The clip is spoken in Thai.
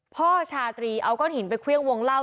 ชาตรีเอาก้อนหินไปเครื่องวงเล่า